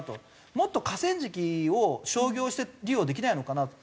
もっと河川敷を商業利用できないのかなと。